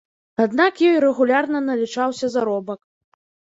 Аднак ёй рэгулярна налічаўся заробак.